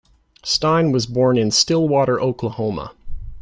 Stine was born in Stillwater, Oklahoma.